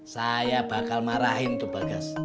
saya bakal marahin tuh bagas